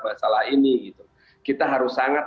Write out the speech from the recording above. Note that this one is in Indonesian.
masalah ini gitu kita harus sangat